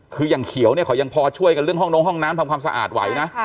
คืออย่างเขียวเนี่ยเขายังพอช่วยกันเรื่องห้องนงห้องน้ำทำความสะอาดไหวนะ